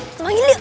eh pelan pelan kau